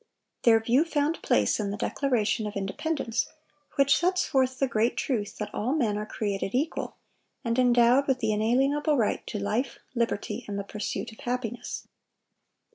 Their view found place in the Declaration of Independence, which sets forth the great truth that "all men are created equal," and endowed with the inalienable right to "life, liberty, and the pursuit of happiness."